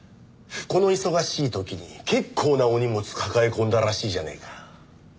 この忙しい時に結構なお荷物抱え込んだらしいじゃねえか。